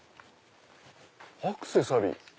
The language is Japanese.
アクセサリー？